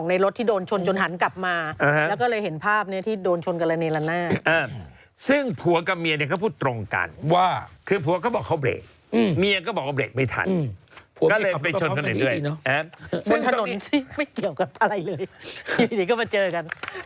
ไม่ใช่กรีคเป็นเด็กฝึกงานที่บ้านอยู่ทั้งเดียวกัน